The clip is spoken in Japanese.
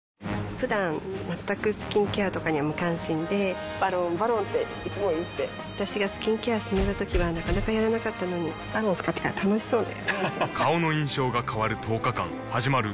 ふだん全くスキンケアとかに無関心で「ＶＡＲＯＮ」「ＶＡＲＯＮ」っていつも言って私がスキンケア勧めたときはなかなかやらなかったのに「ＶＡＲＯＮ」使ってから楽しそうだよね